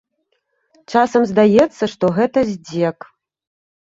Часам здаецца, што гэта здзек.